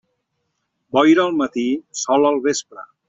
Boira al matí, sol al vespre.